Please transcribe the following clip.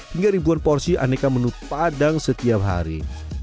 hingga ribuan porsi aneka menu padang setiap hari